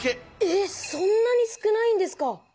えっそんなに少ないんですか！